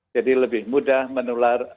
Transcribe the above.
jadi lebih mudah menular